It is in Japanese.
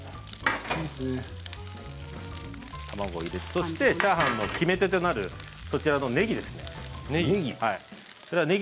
そしてチャーハンの決め手となるそちらのねぎですね。